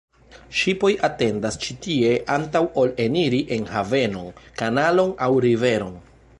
Ŝipoj atendas ĉi tie antaŭ ol eniri en havenon, kanalon aŭ riveron.